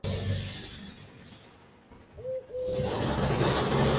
شناختی کارڈ کی تصدیق ہونے کی صورت میں سکرین پر ٹک کا نشان سامنے آ جائے گا